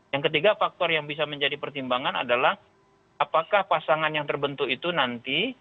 yang ketiga faktor yang bisa menjadi pertimbangan adalah apakah pasangan yang terbentuk itu nanti